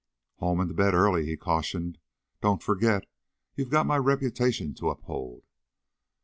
"Home and to bed early," he cautioned. "Don't forget you've got my reputation to uphold."